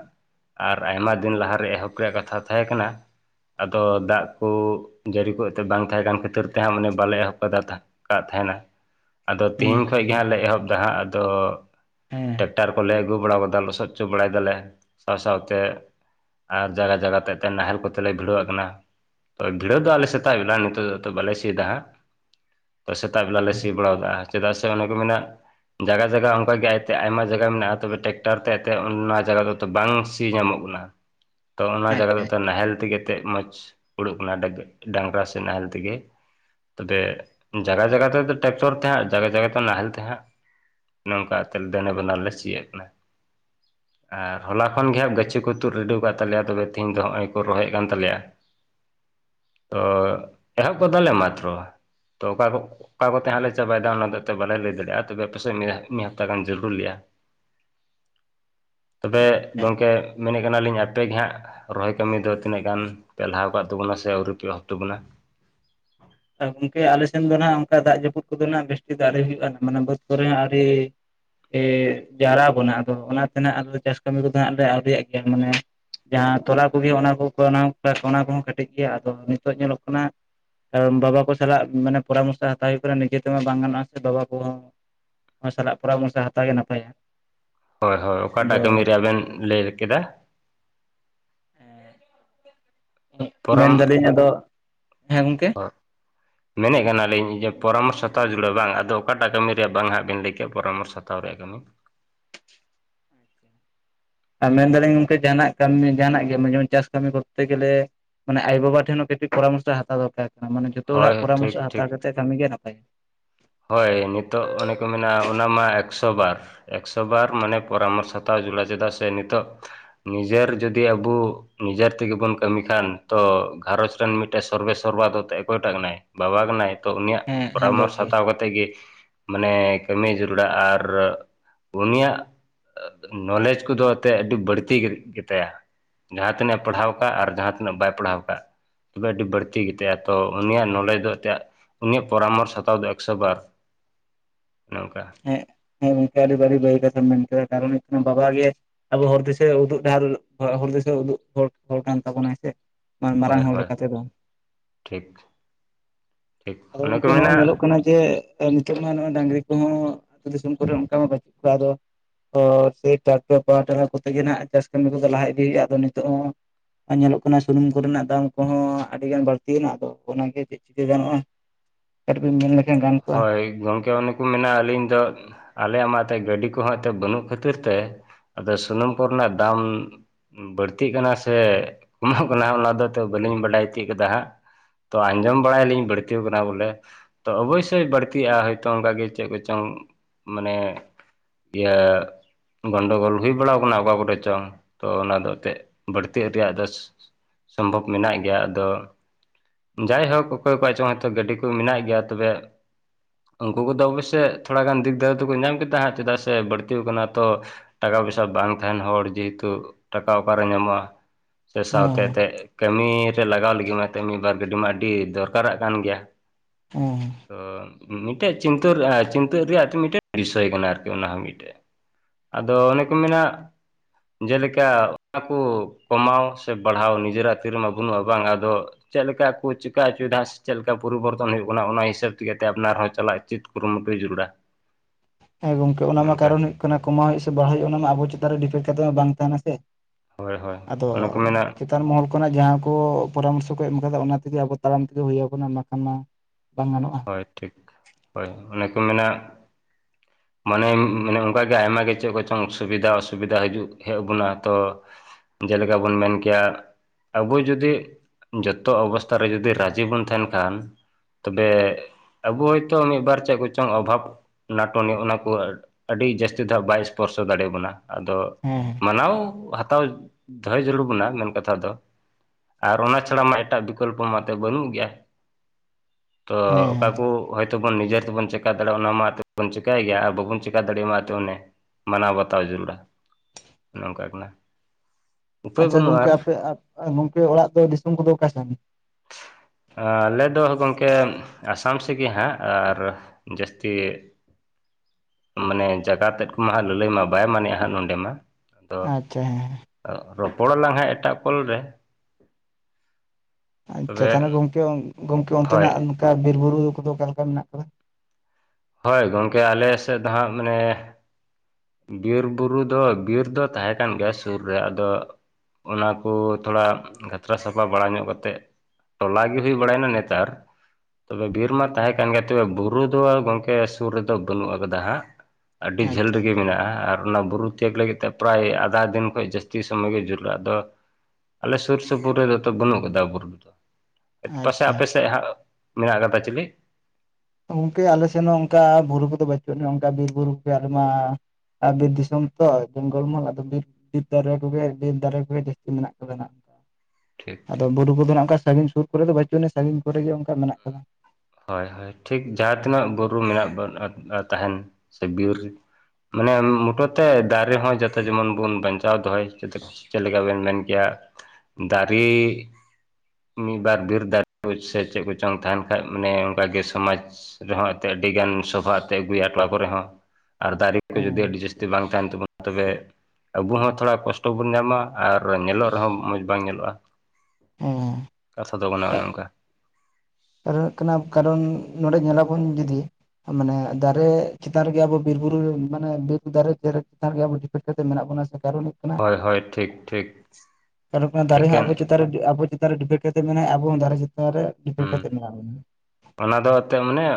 ᱟᱨ ᱟᱭᱢᱟ ᱫᱤᱱ ᱞᱟᱦᱟᱨᱮ ᱮᱦᱚᱵ ᱨᱮᱭᱟᱜ ᱠᱟᱛᱷᱟ ᱛᱟᱦᱮᱸ ᱠᱟᱱᱟ, ᱟᱫᱚ ᱫᱟᱜ ᱠᱚ ᱡᱟᱹᱲᱤ ᱠᱚ ᱮᱱᱛᱮᱫ ᱵᱟᱝ ᱛᱟᱦᱮᱸ ᱠᱟᱱ ᱠᱷᱟᱹᱛᱤᱨ ᱛᱮᱦᱟᱸᱜ ᱚᱱᱮ ᱵᱟᱞᱮ ᱮᱦᱚᱵ ᱠᱟᱫᱟ ᱛᱷᱟ ᱠᱟᱜ ᱛᱟᱦᱮᱱᱟ, ᱟᱫᱚ ᱦᱩᱸ ᱛᱮᱦᱮᱧ ᱠᱷᱚᱡ ᱜᱮ ᱦᱟᱸᱜ ᱞᱮ ᱮᱦᱚᱵ ᱫᱟ ᱦᱟᱸᱜ ᱟᱫᱚ ᱦᱮᱸ ᱴᱮᱠᱴᱟᱨ ᱠᱚᱞᱮ ᱟᱹᱜᱩ ᱵᱟᱲᱟ ᱟᱠᱟᱫᱟ ᱞᱚᱥᱚᱫ ᱦᱚᱪᱚ ᱵᱟᱲᱟᱭ ᱫᱟᱞᱮ ᱥᱟᱶ ᱥᱟᱶᱛᱮ ᱟᱨ ᱡᱟᱭᱜᱟ ᱡᱟᱭᱜᱟ ᱛᱮ ᱛᱮ ᱱᱟᱦᱮᱞ ᱠᱚ ᱛᱮᱞᱮ ᱵᱷᱤᱲᱟᱹᱣ ᱟᱜ ᱠᱟᱱᱟ, ᱵᱷᱤᱲᱟᱹ ᱫᱚ ᱟᱞᱮ ᱥᱮᱛᱟᱜ ᱵᱮᱞᱟ ᱱᱤᱛᱚᱜ ᱫᱚ ᱵᱟᱞᱮ ᱥᱤᱭ ᱫᱟ ᱦᱟᱸᱜ ᱛᱚ ᱥᱮᱛᱟᱜ ᱵᱮᱞᱟ ᱞᱮ ᱥᱤ ᱵᱟᱲᱟᱣ ᱠᱟ ᱪᱮᱫᱟᱜ ᱥᱮ ᱚᱱᱮ ᱠᱚ ᱢᱮᱱᱟ ᱡᱟᱜᱟ ᱡᱟᱜᱟ ᱚᱱᱠᱟᱜ ᱜᱮᱛᱮ ᱟᱭᱢᱟ ᱡᱟᱜᱟ ᱢᱮᱱᱟᱜ-ᱟ ᱛᱚᱵᱮ ᱴᱮᱠᱴᱟᱨ ᱛᱮ ᱛᱮ ᱱᱚᱣᱟ ᱡᱟᱜᱟ ᱫᱚ ᱵᱟᱝ ᱥᱤ ᱧᱟᱢᱚᱜ ᱠᱟᱱᱟ ᱛᱚ ᱚᱱᱟ ᱡᱟᱜᱟ ᱟᱪᱪᱷᱟ ᱫᱚ ᱱᱟᱦᱮᱞ ᱛᱮᱜᱮ ᱛᱮᱫ ᱢᱚᱡᱽ ᱩᱲᱩᱜ ᱠᱟᱱᱟ ᱰᱟᱝᱨᱟ ᱥᱮ ᱱᱟᱦᱮᱞ ᱛᱮᱜᱮ ᱛᱚᱵᱮ ᱡᱟᱜᱟ ᱡᱟᱜᱟ ᱛᱮᱫᱚ ᱴᱮᱠ ᱴᱚᱨ ᱛᱮ ᱦᱟᱸᱜ ᱡᱟᱜᱟ ᱡᱟᱜᱟ ᱛᱮ ᱱᱟᱦᱮᱞ ᱛᱮ ᱦᱟᱸᱜ ᱚᱱᱮ ᱚᱝ ᱠᱟᱛᱮ ᱫᱮᱱᱟᱹ ᱵᱷᱟᱱᱟ ᱞᱮ ᱥᱤᱭᱮᱫ ᱠᱟᱱᱟ ᱟᱸ ᱦᱚᱞᱟ ᱠᱷᱚᱱ ᱜᱮ ᱦᱟᱸᱜ ᱜᱟᱹᱪᱷᱤ ᱠᱚ ᱛᱩᱫ ᱨᱮᱰᱤ ᱟᱠᱟᱫ ᱛᱟᱞᱮᱭᱟ ᱛᱚᱵᱮ ᱛᱤᱦᱤᱧ ᱫᱚ ᱱᱚᱜ ᱚᱭ ᱠᱚ ᱨᱚᱦᱚᱭ ᱮᱫ ᱠᱟᱱ ᱛᱟᱞᱮᱭᱟ, ᱛᱚ ᱮᱦᱚᱵ ᱠᱟᱫᱟᱞᱮ ᱢᱟᱛᱨᱚ ᱛᱚ ᱚᱠᱟ ᱚᱠᱟ ᱠᱚ ᱛᱟᱦᱚᱞᱮ ᱪᱟᱵᱟᱭ ᱫᱟ ᱚᱱᱟ ᱦᱚᱛᱮ ᱛᱮ ᱵᱟᱞᱮ ᱞᱟᱹᱭ ᱫᱟᱲᱮᱭᱟᱜ-ᱟ ᱛᱚᱵᱮ ᱯᱟᱥᱮ ᱢᱤᱫ ᱦᱟᱯᱛᱟ ᱜᱟᱱ ᱡᱟᱹᱨᱩᱲ ᱞᱮᱜᱼᱟ, ᱛᱚᱵᱮ ᱟᱪᱪᱷᱟ ᱜᱚᱝᱠᱮ ᱢᱮᱱᱮᱫ ᱠᱟᱱᱟ ᱞᱤᱧ ᱟᱯᱮᱜᱮ ᱜᱮ ᱦᱟᱸᱜ ᱨᱚᱦᱚᱭ ᱠᱟᱹᱢᱤ ᱫᱚ ᱛᱤᱱᱟᱹᱜ ᱜᱟᱱ ᱯᱮ ᱞᱟᱦᱟ ᱠᱟᱜ ᱛᱟᱵᱚᱱᱟ ᱥᱮ ᱟᱹᱣᱨᱤ ᱯᱮ ᱮᱦᱚᱵ ᱛᱟᱵᱚᱱᱟ? ᱜᱚᱝᱠᱮ ᱟᱞᱮ ᱥᱮᱱ ᱫᱚ ᱦᱟᱸᱜ ᱚᱱᱠᱟ ᱫᱟᱜ ᱡᱟᱹᱯᱩᱫ ᱠᱚᱫᱚ ᱱᱟᱸᱜ ᱵᱮᱥᱴᱤᱠ ᱫᱚ ᱟᱹᱣᱨᱤ ᱦᱩᱭᱩᱜ-ᱟ ᱢᱟᱱᱮ ᱵᱟᱹᱫᱽ ᱠᱚᱨᱮ ᱟᱹᱣᱨᱤ ᱮ ᱡᱟᱣᱨᱟ ᱵᱚᱱᱟ ᱟᱫᱚ ᱚᱱᱟᱛᱮ ᱦᱟᱸᱜ ᱟᱞᱮ ᱫᱚ ᱪᱟᱥ ᱠᱟᱹᱢᱤ ᱠᱚᱫᱚ ᱦᱟᱸᱜ ᱟᱯᱮ ᱫᱚ ᱟᱹᱣᱨᱤᱟᱜ ᱜᱮᱭᱟ ᱢᱟᱱᱮ ᱡᱟᱦᱟᱸ ᱛᱚᱞᱟ ᱠᱚᱜᱮ ᱚᱱᱟ ᱠᱚ ᱚᱱᱟ ᱠᱚᱦᱚᱸ ᱠᱟᱹᱴᱤᱡ ᱜᱮᱭᱟ ᱟᱫᱚ ᱱᱤᱛᱚᱜ ᱧᱮᱞᱚᱜ ᱠᱟᱱᱟ ᱠᱟᱨᱚᱱ ᱵᱟᱵᱟ ᱠᱚ ᱥᱟᱞᱟᱜ ᱢᱟᱱᱮ ᱯᱚᱨᱟᱢᱚᱨᱥᱚ ᱦᱟᱛᱟᱣ ᱦᱩᱭᱩᱜ ᱠᱟᱱᱟ ᱱᱤᱡᱮ ᱛᱮᱢᱟ ᱵᱟᱝ ᱜᱟᱱᱚᱜ-ᱟ ᱥᱮ ᱵᱟᱵᱟ ᱠᱚᱦᱚᱸ ᱠᱚ ᱥᱟᱞᱟᱜ ᱯᱚᱨᱟᱢᱚᱨᱥᱚ ᱦᱟᱛᱟᱣ ᱜᱮ ᱱᱟᱯᱟᱭᱟ᱾ ᱦᱳᱭ ᱦᱳᱭ ᱟᱫᱚ ᱚᱠᱟᱴᱟᱜ ᱠᱟᱹᱢᱤ ᱨᱮᱭᱟᱜ ᱵᱮᱱ ᱞᱟᱹᱭ ᱠᱮᱫᱟ? ᱯᱚᱨᱟᱢ ᱢᱮᱱ ᱫᱟᱞᱤᱧ ᱟᱫᱚ, ᱦᱮᱸ ᱜᱚᱝᱠᱮ? ᱦᱳᱭ ᱢᱮᱱᱮᱫ ᱠᱟᱱᱟ ᱞᱤᱧ ᱤᱭᱟᱹ ᱯᱚᱨᱟᱢᱚᱨᱥᱚ ᱦᱟᱛᱟᱣ ᱡᱩᱲᱟᱹᱣ ᱵᱟᱝ ᱟᱫᱚ ᱚᱠᱟᱴᱟᱜ ᱠᱟᱹᱢᱤ ᱨᱮᱭᱟᱜ ᱵᱟᱝ ᱦᱟᱸᱜ ᱵᱤᱱ ᱞᱟᱹᱭ ᱠᱮᱜ ᱯᱚᱨᱟᱢᱚᱨᱥᱚ ᱦᱟᱛᱟᱣ ᱨᱮᱭᱟᱜ ᱠᱟᱹᱢᱤ, ᱟᱨ ᱢᱮᱱ ᱫᱟᱞᱤᱧ ᱜᱚᱢᱠᱮ ᱡᱟᱦᱟᱸᱱᱟᱜ ᱠᱟᱹᱢᱤ ᱡᱟᱦᱟᱸᱱᱟᱜ ᱜᱮ ᱡᱮᱢᱚᱱ ᱪᱟᱥ ᱠᱟᱹᱢᱤ ᱠᱚᱨᱛᱮ ᱜᱮᱞᱮ ᱢᱟᱱᱮ ᱟᱭᱳ ᱵᱟᱵᱟ ᱴᱷᱮᱱ ᱦᱚᱸ ᱠᱟᱹᱴᱤ ᱯᱚᱨᱟᱢᱚᱨᱥᱚ ᱦᱟᱛᱟᱣ ᱫᱚᱨᱠᱟᱨ ᱠᱟᱱᱟ ᱢᱟᱱᱮ ᱡᱷᱚᱛᱚ ᱦᱚᱲᱟᱜ ᱦᱳᱭ ᱴᱷᱤᱠ ᱯᱚᱨᱟᱢᱚᱨᱥᱚ ᱦᱟᱛᱟᱣ ᱴᱷᱤᱠ ᱠᱟᱛᱮ ᱠᱟᱹᱢᱤ ᱜᱮ ᱱᱟᱯᱟᱭᱟ᱾ ᱦᱳᱭ ᱱᱤᱛᱚᱜ ᱚᱱᱮᱠᱚ ᱢᱮᱱᱟ ᱚᱱᱟᱢᱟ ᱮᱠᱥᱳ ᱵᱟᱨ ᱮᱠᱥᱳ ᱵᱟᱨ ᱢᱟᱱᱮ ᱯᱚᱨᱟᱢᱚᱨᱥᱚ ᱦᱟᱛᱟᱣ ᱡᱟᱹᱲᱩᱲᱟ ᱪᱮᱫᱟᱜ ᱥᱮ ᱱᱤᱛᱚᱜ ᱱᱤᱡᱮᱨ ᱡᱩᱫᱤ ᱟᱹᱵᱩ ᱱᱤᱡᱮᱨ ᱛᱮᱜᱮ ᱵᱚᱱ ᱠᱟᱹᱢᱤ ᱠᱷᱟᱱ ᱛᱚ ᱜᱷᱟᱨᱚᱸᱧᱡᱽ ᱨᱮᱱ ᱢᱤᱫᱴᱮᱱ ᱥᱚᱨᱜᱮᱥᱥᱚᱨᱵᱟ ᱫᱚ ᱚᱠᱚᱭ ᱴᱟᱜ ᱠᱟᱱᱟᱭ? ᱵᱟᱵᱟ ᱠᱟᱱᱟᱭ ᱛᱚ ᱩᱱᱤᱭᱟᱜ ᱦᱮᱸ ᱦᱮᱸ ᱵᱟᱵᱟ ᱯᱚᱨᱟᱢᱚᱨᱥᱚ ᱜᱮ ᱠᱚᱛᱮ ᱜᱮ ᱢᱟᱱᱮ ᱠᱟᱹᱢᱤ ᱡᱟᱹᱨᱩᱲᱟ ᱟᱨ ᱩᱱᱤᱭᱟᱜ ᱱᱚᱞᱮᱡ ᱠᱚᱫᱚ ᱛᱮᱜ ᱟᱹᱰᱤ ᱵᱟᱹᱲᱛᱤ ᱜᱮᱛᱟᱭᱟ᱾ ᱡᱟᱦᱟᱸ ᱛᱤᱱᱟᱹᱜ ᱯᱟᱲᱦᱟᱣ ᱠᱟᱜ ᱟᱨ ᱡᱟᱦᱟᱸ ᱛᱤᱱᱟᱹᱜ ᱵᱟᱭ ᱯᱟᱲᱦᱟᱣ ᱠᱟᱜ ᱛᱚᱵᱮ ᱟᱹᱰᱤ ᱵᱟᱹᱲᱛᱤ ᱜᱮᱛᱟᱭᱟ ᱛᱚ ᱩᱱᱤᱭᱟᱜ ᱱᱚᱞᱮᱡᱽ ᱫᱚ ᱩᱱᱤᱭᱟᱜ ᱯᱚᱨᱟᱢᱚᱨᱥᱚ ᱦᱟᱛᱟᱣ ᱫᱚ ᱮᱠᱥᱚ ᱵᱟᱨ ᱱᱚᱝᱠᱟ ᱦᱮᱸ ᱦᱮᱸ ᱜᱚᱢᱠᱮ ᱟᱹᱰᱤ ᱟᱹᱵᱤ ᱵᱷᱟᱹᱜᱤ ᱠᱟᱛᱷᱟᱢ ᱢᱮᱱ ᱠᱮᱫᱟ ᱠᱟᱨᱚᱱ ᱵᱟᱵᱟ ᱜᱮ ᱟᱵᱚ ᱦᱚᱨ ᱫᱤᱥᱟᱹ ᱩᱫᱩᱜ ᱰᱟᱦᱟᱨ ᱦᱚᱨ ᱫᱤᱥᱟᱹ ᱩᱫᱩᱜ ᱦᱚᱲ ᱦᱚᱲ ᱠᱟᱱ ᱛᱟᱵᱚᱱᱟᱭ ᱥᱮ ᱢᱟᱨᱟᱝ ᱦᱳᱭ ᱦᱚᱲ ᱦᱳᱭ ᱞᱮᱠᱟ ᱛᱮᱫᱚ ᱴᱷᱤᱠ ᱴᱷᱤᱠ ᱟᱫᱚ ᱚᱱᱮ ᱠᱚ ᱜᱚᱝᱠᱮ ᱱᱚᱜ-ᱚᱭ ᱢᱮᱱᱟ ᱧᱮᱞᱚᱜ ᱠᱟᱱᱟ ᱡᱮ ᱱᱤᱛᱚᱜ ᱢᱟ ᱱᱚᱜ ᱰᱟᱝᱨᱤ ᱠᱚᱦᱚᱸ ᱟᱹᱛᱩ ᱫᱤᱥᱚᱢ ᱠᱚᱨᱮ ᱚᱱᱠᱟ ᱢᱟ ᱵᱟᱪᱩᱜ ᱠᱚᱣᱟ ᱟᱫᱚ ᱴᱨᱟᱠᱴᱚᱨ ᱯᱟᱣᱟᱨ ᱴᱤᱞᱟᱨ ᱠᱚᱛᱮ ᱜᱮ ᱱᱟᱜ ᱪᱟᱥ ᱠᱟᱹᱢᱤ ᱠᱚᱫᱚ ᱞᱟᱦᱟ ᱤᱫᱤ-ᱟ ᱟᱫᱚ ᱱᱤᱛᱚᱜ ᱦᱚᱸ ᱧᱮᱞᱚᱜ ᱠᱟᱱᱟ ᱥᱩᱱᱩᱢ ᱠᱚ ᱨᱮᱱᱟᱜ ᱫᱟᱢ ᱠᱚᱦᱚᱸ ᱟᱹᱰᱤᱜᱟᱱ ᱵᱟᱹᱲᱛᱤ ᱮᱱᱟ ᱟᱫᱚ ᱚᱱᱟᱜᱮ ᱪᱮᱫ ᱪᱤᱠᱟᱹ ᱜᱟᱱᱚᱜ-ᱟ ᱠᱟᱹᱴᱤᱡ ᱵᱮᱱ ᱢᱮᱱ ᱞᱮᱠᱷᱟᱱ ᱜᱟᱱᱚ-ᱟ ᱦᱳᱭ ᱜᱚᱝᱠᱮ ᱚᱱᱮ ᱢᱮᱱᱟ ᱟᱹᱞᱤᱧ ᱫᱚ ᱟᱞᱮᱭᱟᱜ ᱢᱟ ᱮᱱᱛᱮᱫ ᱜᱟᱹᱰᱤ ᱠᱚᱦᱚᱸ ᱮᱱᱛᱮᱫ ᱵᱟᱹᱱᱩᱜ ᱠᱷᱟᱹᱛᱤᱨ ᱛᱮ ᱟᱫᱚ ᱥᱩᱱᱩᱢ ᱠᱚ ᱨᱮᱱᱟᱜ ᱫᱟᱢ ᱵᱟᱹᱲᱛᱤᱜ ᱠᱟᱱᱟ ᱥᱮ ᱠᱚᱢᱚᱜ ᱠᱟᱱᱟ ᱚᱱᱟ ᱫᱚ ᱵᱟᱹᱞᱤᱧ ᱵᱟᱰᱟᱭ ᱛᱤᱭᱳᱜ ᱠᱟᱫᱟ ᱦᱟᱸᱜ ᱛᱚ ᱟᱸᱡᱚᱢ ᱵᱟᱲᱟᱭ ᱟᱞᱤᱧ ᱵᱟᱹᱲᱛᱤ ᱟᱠᱟᱱᱟ ᱵᱚᱞᱮ ᱛᱚ ᱚᱵᱚᱥᱥᱚᱭ ᱱᱤᱥᱪᱚᱭ ᱵᱟᱹᱲᱛᱤᱜ-ᱟ ᱦᱚᱭᱛᱚ ᱚᱱᱠᱟᱜᱮ ᱪᱮᱫ ᱠᱚᱪᱚᱝ ᱢᱟᱱᱮ ᱤᱭᱟᱹ ᱜᱚᱱᱰᱳᱜᱳᱞ ᱦᱩᱭ ᱵᱟᱲᱟᱣ ᱠᱟᱱᱟ ᱚᱠᱟ ᱠᱚᱨᱮ ᱪᱚᱝ ᱛᱚ ᱚᱱᱟᱫᱚ ᱮᱱᱛᱮᱫ ᱵᱟᱹᱲᱛᱤᱜ ᱨᱮᱭᱟᱜ ᱫᱚ ᱥᱚᱢᱵᱷᱚᱵ ᱢᱮᱱᱟᱜ ᱜᱮᱭᱟ ᱟᱫᱚ ᱡᱟᱭᱦᱳᱠ ᱚᱠᱚᱭ ᱠᱚᱣᱟᱜ ᱪᱚᱝ ᱦᱚᱭᱛᱳ ᱜᱟᱹᱰᱤ ᱠᱚ ᱢᱮᱱᱟᱜ ᱜᱮᱭᱟ, ᱛᱚᱵᱮ ᱩᱱᱠᱩ ᱠᱚᱫᱚ ᱚᱵᱚᱥᱥᱭ ᱛᱷᱚᱲᱟ ᱜᱟᱱ ᱫᱤᱠ ᱫᱟᱨᱮ ᱛᱮᱠᱚ ᱧᱟᱢ ᱠᱮᱫᱟ ᱦᱟᱸᱜ ᱪᱮᱫᱟᱜ ᱥᱮ ᱵᱟᱹᱲᱛᱤ ᱠᱟᱱᱟ ᱛᱚ᱾ ᱴᱟᱠᱟ ᱯᱚᱭᱥᱟ ᱵᱟᱝ ᱛᱟᱦᱮᱸᱱ ᱦᱚᱲ ᱡᱮᱦᱮᱛᱩ ᱴᱟᱠᱟ ᱚᱠᱟᱨᱮ ᱧᱟᱢᱚᱜᱼᱟ᱾ ᱥᱮ ᱥᱟᱶᱛᱮ ᱦᱮᱸ ᱮᱱᱛᱮᱫ ᱠᱟᱹᱢᱤᱨᱮ ᱞᱟᱜᱟᱣ ᱞᱟᱹᱜᱤᱫ ᱢᱟ ᱮᱱᱛᱮᱫ ᱢᱤᱫᱵᱟᱨ ᱜᱟᱹᱰᱤ ᱢᱟ ᱟᱹᱰᱤ ᱫᱚᱨᱠᱟᱨᱟᱜ ᱠᱟᱱ ᱜᱮᱭᱟ᱾ ᱚᱸ᱾ ᱛᱚ ᱢᱤᱫᱴᱮᱡ ᱪᱤᱱᱛᱟᱹᱨ ᱪᱤᱱᱛᱟᱹᱜ ᱨᱮᱭᱟᱜ ᱠᱤ ᱢᱤᱫᱴᱮᱜ ᱵᱤᱥᱚᱭ ᱠᱟᱱᱟ ᱟᱨᱠᱤ ᱚᱱᱟ ᱦᱚᱸ ᱢᱤᱫᱴᱮᱜ᱾ ᱟᱫᱚ ᱚᱱᱮ ᱠᱚ ᱢᱮᱱᱟ ᱡᱮᱞᱮᱠᱟ ᱚᱱᱟ ᱠᱚ ᱠᱚᱢᱟᱣ ᱥᱮ ᱵᱟᱲᱦᱟᱣ ᱱᱤᱡᱮᱨᱟᱜ ᱛᱤ ᱨᱮᱢᱟ ᱵᱟᱹᱱᱩᱜᱼᱟ ᱵᱟᱝ ᱟᱫᱚ᱾ ᱪᱮᱫ ᱞᱮᱠᱟ ᱠᱚ ᱪᱤᱠᱟ ᱩᱪᱚᱭᱫᱟ ᱦᱟᱜ ᱥᱮ ᱪᱮᱫ ᱞᱮᱠᱟ ᱯᱚᱨᱤᱵᱚᱨᱛᱚᱱ ᱦᱩᱭᱩᱜ ᱠᱟᱱᱟ ᱚᱱᱟ ᱦᱤᱥᱟᱹᱵᱽ ᱛᱮᱜᱮ ᱛᱮ ᱟᱯᱱᱟᱨ ᱦᱚᱸ ᱪᱟᱞᱟᱜ ᱪᱮᱫ ᱠᱩᱨᱩᱢᱩᱴᱩᱭ ᱡᱟᱹᱨᱩᱲᱟ᱾ ᱦᱮᱸ ᱜᱚᱝᱠᱮ ᱚᱱᱟ ᱚᱱᱮ ᱢᱟ ᱚᱱᱠᱟ ᱠᱟᱨᱚᱱ ᱦᱩᱭᱩᱜ ᱠᱟᱱᱟ ᱠᱚᱢᱟᱣ ᱦᱩᱭᱩᱜ ᱥᱮ ᱵᱟᱲᱦᱟᱣ ᱦᱩᱭᱩᱜᱼᱟ ᱚᱱᱟ ᱢᱟ ᱟᱵᱚ ᱪᱮᱛᱟᱱ ᱨᱮ ᱰᱤᱯᱮᱱᱰ ᱠᱟᱛᱮ ᱢᱟ ᱵᱟᱝ ᱛᱟᱦᱮᱸᱱᱟ ᱥᱮ᱾ ᱦᱳᱭ ᱦᱳᱭ ᱟᱫᱚ ᱚᱱᱮ ᱠᱚ ᱢᱮᱱᱟ ᱪᱮᱛᱟᱱ ᱢᱚᱦᱚᱞ ᱠᱷᱚᱱᱟᱜ ᱡᱟᱦᱟᱸ ᱠᱚ ᱯᱚᱨᱟᱢᱚᱨᱥᱚ ᱠᱚ ᱮᱢ ᱠᱟᱫᱟ ᱚᱱᱟ ᱛᱮᱜᱮ ᱟᱵᱚ ᱛᱟᱲᱟᱢ ᱛᱮᱜᱮ ᱦᱩᱭᱟᱵᱩᱱᱟ, ᱵᱟᱠᱷᱟᱱ ᱢᱟ ᱵᱟᱝ ᱜᱟᱱᱚᱜᱼᱟ᱾ ᱦᱚᱭ ᱴᱷᱤᱠ, ᱦᱚᱭ ᱚᱱᱮ ᱠᱚ ᱢᱮᱱᱟ, ᱢᱟᱱᱮᱢ ᱢᱟᱱᱮ ᱚᱱᱠᱟᱜᱮ ᱟᱭᱢᱟ ᱜᱮ ᱪᱮᱫ ᱠᱚᱪᱚᱝ ᱥᱩᱵᱤᱫᱷᱟ ᱚᱥᱩᱵᱤᱫᱷᱟ ᱦᱟᱹᱡᱩᱜ ᱦᱮᱜ ᱟᱹᱵᱚᱱᱟ, ᱛᱚ ᱡᱮᱞᱮᱠᱟ ᱵᱚᱱ ᱢᱮᱱ ᱠᱮᱭᱟ ᱟᱵᱚ ᱡᱩᱫᱤ ᱡᱚᱛᱚ ᱚᱵᱚᱥᱛᱷᱟ ᱨᱮ ᱡᱩᱫᱤ ᱨᱟᱡᱤ ᱵᱚᱱ ᱛᱟᱦᱮᱸᱱ ᱠᱷᱟᱱ ᱛᱚᱵᱮ, ᱟᱵᱚ ᱦᱚᱭᱛᱳ ᱢᱤᱫ ᱵᱟᱨ ᱪᱮᱫ ᱠᱚᱪᱚᱝ ᱚᱵᱷᱟᱵᱽ ᱚᱱᱮ ᱚᱱᱟ ᱠᱚ ᱟᱹᱰᱤ ᱡᱟᱹᱥᱛᱤ ᱫᱚᱦᱟᱜ ᱵᱟᱭ ᱤᱥᱯᱚᱨᱥᱚ ᱫᱟᱲᱮᱭᱟᱵᱚᱱᱟ, ᱟᱫᱚ ᱦᱮᱸ᱾ ᱢᱟᱱᱟᱣ ᱦᱟᱛᱟᱣ ᱫᱚᱦᱚᱭ ᱡᱟᱹᱨᱩᱲᱟ ᱵᱚᱱᱟ ᱢᱮᱱ ᱠᱟᱛᱷᱟ ᱫᱚ ᱟᱨ ᱚᱱᱟ ᱪᱷᱟᱲᱟ ᱢᱟ ᱮᱴᱟᱜ ᱵᱤᱠᱚᱞᱯᱚ ᱢᱟ ᱛᱮᱜ ᱵᱟᱹᱱᱩᱜ ᱜᱮᱭᱟ᱾ ᱛᱚ ᱚᱠᱟ ᱦᱮᱸ ᱠᱚ ᱦᱳᱭᱛᱳ ᱵᱚᱱ ᱱᱤᱡᱮᱨ ᱛᱮᱵᱚᱱ ᱪᱮᱠᱟ ᱫᱟᱲᱮᱭᱟᱜᱼᱟ ᱚᱱᱟ ᱢᱟ ᱵᱚᱱ ᱪᱮᱠᱟᱹᱭ ᱜᱮᱭᱟ, ᱟᱨ ᱵᱟᱵᱚᱱ ᱪᱮᱠᱟ ᱫᱟᱲᱮᱭᱟᱜ ᱢᱟᱛᱮᱜ ᱚᱱᱮ ᱢᱟᱱᱟᱣ ᱵᱟᱛᱟᱣ ᱡᱟᱹᱨᱩᱲᱟ᱾ ᱱᱚᱝᱠᱟᱜ ᱠᱟᱱᱟ᱾ ᱩᱯᱟᱹᱭ ᱟᱪᱪᱷᱟ ᱵᱟᱹᱱᱩᱜᱼᱟ ᱜᱚᱝᱠᱮ ᱟᱨ ᱟᱯᱮ ᱟᱜ ᱜᱚᱝᱠᱮ ᱚᱲᱟᱜ ᱫᱚ ᱫᱤᱥᱚᱢ ᱠᱚᱫᱚ ᱚᱠᱟ ᱥᱮᱱ? [inaudible] ᱟᱞᱮ ᱫᱚ ᱜᱚᱢᱠᱮ ᱟᱥᱟᱢ ᱥᱮᱜ ᱜᱮ ᱦᱟᱸᱜ, ᱟᱨ ᱡᱟᱹᱥᱛᱤ ᱢᱟᱱᱮ ᱡᱟᱜᱟ ᱛᱮᱫ ᱠᱚᱢᱟ ᱦᱟᱸᱜ ᱞᱟᱹᱞᱟᱹᱭ ᱢᱟ ᱵᱟᱭ ᱢᱟᱱᱮᱜ ᱟᱦᱟᱸᱜ ᱱᱚᱰᱮ ᱢᱟ᱾ ᱟᱪᱪᱷᱟ ᱦᱮᱸ ᱦᱮᱸ᱾ ᱨᱚᱯᱚᱲᱟ ᱞᱟᱝ ᱦᱟᱸᱜ ᱮᱴᱟᱜ ᱠᱚᱞᱨᱮ᱾ ᱟᱪᱪᱷᱟ ᱛᱚᱵᱮ ᱛᱟᱦᱚᱞᱮ ᱜᱚᱢᱠᱮ, ᱜᱚᱢᱠᱮ ᱦᱳᱭ ᱚᱱᱛᱮᱱᱟᱜ ᱚᱱᱠᱟ ᱵᱤᱨ ᱵᱩᱨᱩ ᱠᱚᱫᱚ ᱚᱠᱟᱞᱮᱠᱟ ᱢᱮᱱᱟᱜ ᱟᱠᱟᱫᱟ? ᱦᱳᱭ ᱜᱚᱝᱠᱮ, ᱟᱞᱮᱥᱮᱫ ᱫᱚ ᱦᱟᱸᱜ ᱢᱟᱱᱮ ᱵᱤᱨᱵᱩᱨᱩ ᱫᱚ, ᱵᱤᱨ ᱫᱚ ᱛᱟᱦᱮᱸ ᱠᱟᱱ ᱜᱮᱭᱟ ᱥᱩᱨ ᱨᱮ ᱟᱫᱚ ᱚᱱᱟ ᱠᱚ ᱛᱷᱚᱲᱟ ᱜᱷᱟᱛᱨᱟ ᱥᱟᱯᱷᱟ ᱵᱟᱲᱟ ᱧᱚᱜ ᱠᱟᱛᱮᱜ ᱴᱚᱞᱟ ᱜᱮ ᱦᱩᱭ ᱵᱟᱲᱟᱭᱮᱱᱟ ᱱᱮᱛᱟᱨ, ᱛᱚᱵᱮ ᱵᱤᱨ ᱢᱟ ᱛᱟᱦᱮᱸ ᱠᱟᱱ ᱜᱮᱭᱟ ᱾ ᱛᱚᱵᱮ ᱵᱩᱨᱩ ᱫᱚ ᱜᱚᱝᱠᱼᱼ ᱮ ᱥᱩᱨ ᱨᱮᱫᱚ ᱵᱟᱹᱱᱩᱜ ᱟᱠᱟᱫᱟ ᱦᱟᱸᱜ, ᱟᱹᱰᱤ ᱡᱷᱟᱹᱞ ᱟᱪᱪᱷᱟ ᱨᱮᱜᱮ ᱟᱪᱪᱷᱟ ᱢᱮᱱᱟᱜᱼᱟ, ᱟᱨ ᱟᱨ ᱚᱱᱟ ᱵᱩᱨᱩ ᱛᱤᱭᱟᱹᱜᱽ ᱞᱟᱹᱜᱤᱫ ᱛᱮ ᱯᱨᱟᱭ ᱟᱫᱷᱟ ᱫᱤᱱ ᱠᱷᱚᱡ ᱡᱟᱹᱥᱛᱤ ᱥᱚᱢᱚᱭ ᱜᱮ ᱡᱟᱹᱨᱩᱲᱟ, ᱟᱫᱚ ᱟᱞᱮ ᱥᱩᱨ ᱥᱩᱯᱩᱨ ᱨᱮᱫᱚ ᱛᱚ ᱵᱟᱹᱱᱩᱜ ᱠᱟᱫᱟ ᱵᱩᱨᱩ ᱫᱚ ᱾ ᱯᱟᱥᱮᱜ ᱟᱪᱪᱷᱟ ᱟᱯᱮ ᱥᱮᱜ ᱦᱟᱸᱜ ᱢᱮᱱᱟᱜ ᱟᱠᱟᱫᱟ, ᱪᱤᱞᱤ? ᱜᱚᱝᱠᱮ ᱟᱞᱮ ᱥᱮᱱ ᱦᱚᱸ ᱚᱱᱠᱟ ᱵᱩᱨᱩ ᱠᱚᱫᱚ ᱵᱟᱹᱪᱩᱜ ᱟᱹᱱᱤᱡ, ᱚᱱᱠᱟ ᱵᱤᱨᱼᱵᱩᱨᱩ ᱠᱚᱜᱮ ᱟᱞᱮ ᱢᱟ ᱟᱨ ᱵᱤᱨ ᱫᱤᱥᱚᱢ ᱛᱚ ᱡᱚᱝᱜᱚᱞ ᱢᱚᱦᱚᱞ, ᱟᱫᱚ ᱵᱤᱨ ᱵᱤᱨ ᱫᱟᱨᱮ ᱠᱚᱜᱮ ᱵᱤᱨ ᱫᱟᱨᱮ ᱠᱚᱜᱮ ᱡᱟᱹᱥᱛᱤ ᱢᱮᱱᱟᱜ ᱟᱠᱟᱫᱟ ᱱᱟᱦᱟᱜ ᱾ ᱴᱷᱤᱠ ᱟᱫᱚ ᱴᱷᱤᱠ ᱵᱩᱨᱩ ᱠᱚᱫᱚ ᱱᱟᱜ ᱚᱱᱠᱟ ᱥᱟᱺᱜᱤᱧ ᱥᱩᱨ ᱠᱚᱨᱮ ᱫᱚ ᱵᱟᱹᱪᱩᱜ ᱟᱹᱱᱤᱡ, ᱥᱟᱺᱜᱤᱧ ᱠᱚᱨᱮ ᱜᱮ ᱚᱱᱠᱟ ᱢᱮᱱᱟᱜ ᱠᱟᱫᱟ᱾ ᱦᱳᱭ ᱦᱳᱭ, ᱴᱷᱤᱠ ᱡᱟᱦᱟᱸ ᱛᱤᱱᱟᱹᱜ ᱵᱩᱨᱩ ᱢᱮᱱᱟᱜ [unintelligible] ᱛᱟᱦᱮᱱ ᱥᱮ ᱵᱤᱨ ᱢᱟᱱᱮ ᱢᱩᱴᱟᱹ ᱛᱮ ᱫᱟᱨᱮ ᱦᱚᱸ ᱡᱟᱛᱮ ᱡᱮᱢᱚᱱ ᱵᱚᱱ ᱵᱟᱧᱪᱟᱣ ᱫᱚᱦᱚᱭ ᱾ ᱡᱟᱛᱮ ᱪᱮᱫ ᱞᱮᱠᱟ ᱵᱮᱱ ᱢᱮᱱ ᱠᱮᱭᱟ ᱫᱟᱨᱮ ᱢᱤᱫ ᱵᱟᱨ ᱵᱤᱨ ᱫᱟᱨᱮ ᱠᱚᱡ ᱥᱮ ᱪᱮᱫ ᱠᱚᱪᱚᱝ ᱛᱟᱦᱮᱱ ᱠᱷᱟᱡ, ᱢᱟᱱᱮ ᱚᱱᱠᱟ ᱜᱮ ᱥᱚᱢᱟᱡᱽ ᱨᱮᱦᱚᱸ ᱮᱱᱛᱮᱫ ᱟᱹᱰᱤᱜᱟᱱ ᱥᱚᱵᱷᱟᱜ ᱛᱮ ᱟᱹᱜᱩᱭᱟ, ᱟᱠᱷᱲᱟ ᱠᱚᱨᱮ ᱦᱚᱸ ᱟᱨ ᱫᱟᱨᱮ ᱚ ᱟᱹᱰᱤ ᱡᱩᱫᱤ ᱟᱹᱰᱤ ᱡᱟᱹᱥᱛᱤ ᱵᱟᱝ ᱛᱟᱦᱮᱱ ᱛᱟᱵᱚᱱᱟ, ᱛᱚᱵᱮ ᱟᱵᱚ ᱦᱚᱸ ᱛᱷᱚᱲᱟ ᱠᱚᱥᱴᱚ ᱵᱚᱱ ᱧᱟᱢᱟ ᱟᱨ ᱧᱮᱞᱚᱜ ᱨᱮᱦᱚᱸ ᱢᱚᱸᱡᱽ ᱵᱟᱝ ᱧᱮᱞᱚᱜᱼᱟ ᱾ ᱦᱮᱸ ᱾ ᱠᱟᱛᱷᱟ ᱫᱚ ᱠᱟᱱᱟ ᱚᱱᱮ ᱚᱱᱠᱟ ᱾ ᱟᱨ ᱦᱩᱭᱩᱜ ᱠᱟᱱᱟ ᱠᱟᱨᱚᱱ ᱱᱚᱰᱮ ᱧᱮᱞ ᱟᱵᱚᱱ, ᱡᱩᱫᱤ ᱢᱟᱱᱮ ᱫᱟᱨᱮ ᱪᱮᱛᱟᱱ ᱨᱮᱜᱮ ᱟᱵᱚ ᱵᱤᱨ ᱵᱩᱨᱩ ᱢᱟᱱᱮ ᱵᱤᱨᱩ ᱫᱟᱨᱮ ᱪᱮᱛᱟᱱ ᱨᱮ ᱟᱵᱚ ᱵᱮᱥ ᱠᱟᱛᱮ ᱢᱮᱱᱟᱜ ᱵᱚᱱᱟ ᱥᱮ ᱠᱟᱨᱚᱱ ᱦᱩᱭᱩᱜ ᱠᱟᱱᱟ, ᱦᱳᱭ ᱦᱳᱭ ᱴᱷᱤᱠ ᱴᱷᱤᱠ ᱠᱟᱨᱚᱱ ᱦᱩᱭᱩᱜ ᱠᱟᱱᱟ ᱫᱟᱨᱮ ᱦᱚᱸ ᱮᱠᱮᱱ ᱟᱵᱚ ᱪᱮᱛ ᱟᱱ ᱨᱮ ᱟᱵᱚ ᱪᱮᱛᱟᱱ ᱨᱮ ᱰᱤᱯᱮᱱᱰ ᱠᱟᱛᱮ ᱢᱮᱱᱟᱜᱼᱟ ᱾ᱟᱵᱚ ᱦᱚᱸ ᱫᱟᱨᱮ ᱪᱮᱛᱟᱱ ᱨᱮ ᱰᱤᱯᱮᱱᱰ ᱦᱩᱸ ᱠᱟᱛᱮ ᱢᱮᱱᱟᱜ ᱵᱚᱱᱟ ᱾ ᱚᱱᱟ ᱫᱚ ᱛᱮᱢᱱᱮ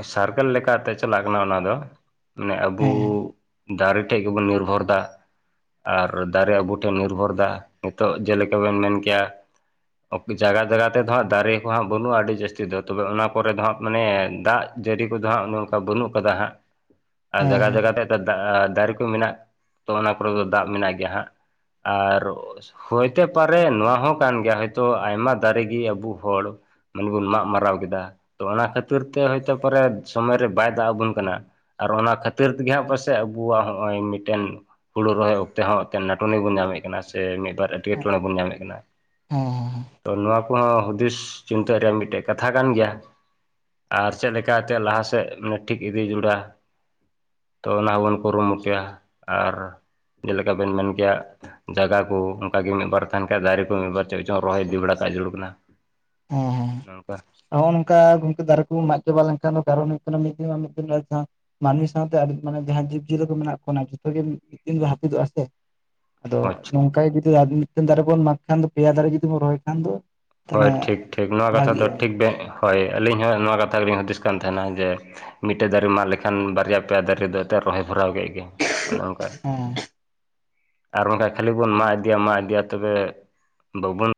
ᱚᱻ ᱥᱟᱨᱠᱮᱞ ᱞᱮᱠᱟ ᱛᱮ ᱪᱟᱞᱟᱜ ᱠᱟᱱᱟ ᱚᱱᱟᱫᱚ ᱾ ᱢᱟᱱᱮ ᱟᱵᱩ ᱦᱮᱸ ᱫᱟᱨᱮ ᱴᱷᱮᱡ ᱜᱮᱵᱚᱱ ᱱᱤᱨᱵᱷᱚᱨ ᱮᱫᱟ ᱾ ᱟᱨ ᱫᱟᱨᱮ ᱟᱵᱚ ᱴᱷᱮᱱ ᱱᱤᱨᱵᱷᱚᱨ ᱮᱫᱟ ᱾ ᱱᱤᱛᱚᱜ ᱡᱮᱞᱮᱠᱟ ᱵᱤᱱ ᱢᱮᱱ ᱠᱮᱭᱟ ᱚᱠᱛᱩ ᱡᱟᱭᱜᱟ ᱡᱟᱭᱜᱟ ᱛᱮ ᱫᱚ ᱦᱟᱸᱜ ᱫᱟᱨᱮ ᱠᱚ ᱦᱟᱸᱜ ᱵᱟᱹᱱᱩᱜᱼᱟ ᱟᱹᱰᱤ ᱡᱟᱹᱥᱛᱤ ᱫᱚ, ᱛᱚᱵᱮ ᱚᱱᱟ ᱠᱚᱨᱮ ᱫᱚ ᱦᱟᱸᱜ ᱢᱟᱱᱮ ᱫᱟᱜ ᱡᱟᱹᱲᱤ ᱠᱚᱫᱚ ᱦᱟᱸᱜ, ᱚᱱᱮ ᱚᱱᱠᱟ ᱵᱟᱹᱱᱩᱜ ᱟᱠᱟᱫᱟ ᱦᱟᱸᱜ, ᱟᱨ ᱦᱮᱸ ᱡᱟᱭᱜᱟ ᱦᱮᱸ ᱡᱟᱭᱜᱟ ᱛᱮ ᱫᱟᱜᱼᱟ ᱫᱟᱨᱮ ᱠᱚ ᱢᱮᱱᱟᱜ ᱛᱚ ᱚᱱᱟ ᱠᱚᱨᱮ ᱫᱚ ᱫᱟᱜ ᱢᱮᱱᱟᱜ ᱜᱮᱭᱟ ᱦᱟᱸᱜ ᱾ ᱟᱨ ᱦᱚᱭᱛᱮ ᱯᱟᱨᱮᱱ ᱱᱚᱣᱟ ᱦᱚᱸ ᱠᱟᱱ ᱜᱮᱭᱟ, ᱦᱚᱭᱛᱚ ᱟᱭᱢᱟ ᱫᱟᱨᱮ ᱜᱮ ᱟᱹᱵᱩ ᱦᱚᱲ ᱢᱟᱱᱮ ᱵᱚᱱ ᱢᱟᱜ ᱢᱟᱨᱟᱣ ᱠᱮᱫᱟ ᱾ ᱛᱚ ᱚᱱᱟ ᱠᱷᱟᱹᱛᱤᱨ ᱛᱮ ᱦᱚᱭᱛᱚ ᱯᱟᱨᱮᱡᱽ ᱥᱚᱢᱚᱭ ᱨᱮ ᱵᱟᱭ ᱫᱟᱜ ᱟᱵᱚᱱ ᱠᱟᱱᱟ ᱾ ᱟᱨ ᱚᱱᱟ ᱠᱷᱟᱹᱛᱤᱨ ᱛᱮᱜᱮ ᱦᱟᱸᱜ ᱯᱟᱥᱮᱡ ᱟᱵᱚᱣᱟᱜ ᱦᱚᱸᱜᱼᱚᱭ ᱢᱤᱫᱴᱮᱱ ᱦᱩᱲᱩ ᱨᱚᱦᱚᱭ ᱚᱠᱛᱮ ᱦᱚᱸ ᱮᱛᱮ ᱱᱮᱴᱚᱱᱤ ᱵᱚᱱ ᱧᱟᱢᱮᱫ ᱠᱟᱱᱟ, ᱥᱮ ᱢᱤᱫ ᱵᱟᱨ ᱮᱴᱠᱮᱴᱚᱬᱮ ᱵᱚᱱ ᱧᱟᱢᱮᱫ ᱠᱟᱱᱟ ᱦᱮᱸ ᱾ᱛᱚ ᱱᱚᱣᱟ ᱠᱚᱦᱚᱸ ᱦᱩᱫᱤᱥ ᱪᱤᱱᱛᱟᱹ ᱨᱮᱭᱟᱜ ᱢᱤᱫᱴᱮᱜ ᱠᱟᱛᱷᱟ ᱠᱟᱱ ᱜᱮᱭᱟ ᱾ ᱟᱨ ᱪᱮᱫ ᱞᱮᱠᱟ ᱛᱮ ᱞᱟᱦᱟ ᱥᱮᱫ ᱢᱤᱫ ᱴᱷᱤᱠ ᱤᱫᱤ ᱡᱩᱲᱟ ᱛᱚ ᱚᱱᱟ ᱦᱚᱸᱵᱚᱱ ᱠᱩᱨᱩᱢᱩᱴᱩᱭᱟ ᱾ ᱟᱨ ᱡᱮᱞᱮᱠᱟ ᱵᱤᱱ ᱢᱮᱱ ᱠᱮᱭᱟ ᱡᱟᱜᱟ ᱠᱚ ᱚᱱᱠᱟ ᱜᱮ ᱢᱤᱫ ᱵᱟᱨ ᱛᱟᱦᱮᱱ ᱠᱷᱟᱱ ᱫᱟᱨᱮ ᱠᱚ ᱢᱤᱫ ᱵᱟᱨ ᱪᱮᱫ ᱪᱚᱝ ᱨᱚᱦᱚᱭ ᱤᱫᱤ ᱵᱟᱲᱟ ᱠᱟᱜ ᱡᱟᱹᱨᱩᱲ ᱠᱟᱱᱟ ᱾ ᱦᱮᱸ ᱦᱮᱸ ᱾ ᱱᱚᱜᱼᱱᱚᱝᱠᱟ ᱾ ᱱᱚᱜᱼᱚᱸ ᱱᱚᱝᱠᱟ ᱜᱚᱝᱠᱮ ᱫᱟᱨᱮ ᱠᱚ ᱵᱚ ᱢᱟᱜ ᱪᱟᱵᱟ ᱞᱮᱱᱠᱷᱟᱱ ᱫᱚ ᱠᱟᱨᱚᱱ ᱦᱩᱭᱩᱜ ᱠᱟᱱᱟ, ᱢᱤᱫ ᱫᱤᱱ ᱟᱨ ᱢᱤᱫ ᱫᱤᱱ ᱨᱮ ᱡᱟᱦᱟᱸ ᱢᱟᱱᱢᱤ ᱥᱟᱶᱛᱮ ᱟᱰᱤᱡ ᱢᱟᱱᱮ ᱡᱟᱦᱟᱸ ᱡᱤᱵᱽᱼᱡᱤᱭᱟᱹᱞᱤ ᱠᱚ ᱢᱮᱱᱟᱜ ᱵᱚᱱᱟ ᱡᱚᱛᱚ ᱜᱮ ᱢᱤᱫ ᱫᱤᱱ ᱫᱚ ᱦᱟᱹᱯᱤᱫᱚᱜᱼᱟ ᱥᱮ ᱾ ᱟᱫᱚ ᱟᱪᱪᱷᱟ ᱱᱚᱝᱠᱟ ᱜᱮ ᱡᱩᱫᱤ ᱢᱤᱫᱴᱮᱱ ᱫᱟᱨᱮ ᱵᱚᱱ ᱢᱟᱜᱽ ᱠᱷᱟᱱ ᱫᱚ, ᱯᱮᱭᱟ ᱫᱟᱨᱮ ᱡᱩᱫᱤ ᱵᱚ ᱨᱚᱦᱚᱭ ᱠᱷᱟᱱ ᱫᱚ ᱦᱚᱭ ᱛᱟᱦᱚᱞᱮ ᱴᱷᱤᱠ ᱴᱷᱤᱠ ᱱᱚᱣᱟ ᱠᱟᱛᱷᱟ ᱫᱚ ᱵᱷᱟᱜᱤᱜᱼᱟ ᱦᱮᱸ ᱴᱷᱤᱠ ᱵᱮᱸᱜ ᱦᱚᱭ ᱟᱹᱞᱤᱧ ᱦᱚᱸ ᱱᱚᱣᱟ ᱠᱟᱛᱷᱟ ᱜᱮᱞᱤᱧ ᱦᱩᱫᱤᱥ ᱠᱟᱱ ᱛᱟᱦᱮᱱᱟ, ᱡᱮ ᱢᱤᱫᱴᱟᱹᱱ ᱫᱟᱨᱮ ᱢᱟᱜ ᱞᱮᱠᱷᱟᱱ ᱵᱟᱨᱭᱟ ᱯᱮᱭᱟ ᱫᱟᱨᱮ ᱫᱚ ᱟᱫᱚ ᱨᱚᱦᱚᱭ ᱵᱷᱚᱨᱟᱣ ᱠᱮᱫ ᱜᱮ ᱚᱱᱮ ᱚᱱᱠᱟ ᱾ ᱟᱨ ᱵᱟᱝᱠᱷᱟᱱ ᱠᱷᱟᱹᱞᱤ ᱵᱚᱱ ᱢᱟ ᱤᱫᱤᱭᱟ ᱢᱟ ᱤᱫᱤᱭᱟ ᱛᱚᱵᱮ ᱵᱟᱵᱚᱱ